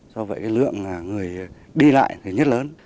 do vậy lượng người đi lại thì nhất lớn